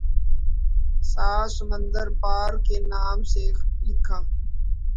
سات سمندر پار کے نام سے لکھا